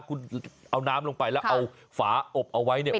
คุณเอาน้ำลงไปแล้วเอาฝาอบเอาไว้เนี่ย